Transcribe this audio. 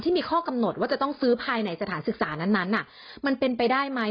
ที่มีข้อกำหนดว่าจะต้องซื้อภายในสถานศึกษานั้นมันเป็นไปได้ไหม